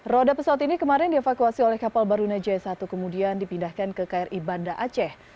roda pesawat ini kemarin dievakuasi oleh kapal barunajaya satu kemudian dipindahkan ke kri banda aceh